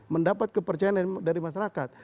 mendapat kepercayaan dari masyarakat